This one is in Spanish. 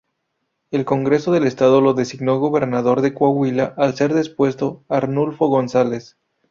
El Congreso del Estado lo designó gobernador de Coahuila al ser depuesto Arnulfo González.